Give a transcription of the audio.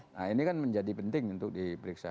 nah ini kan menjadi penting untuk diperiksa